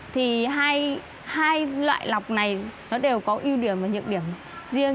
thì hai loại lọc này nó đều có ưu điểm và nhược điểm riêng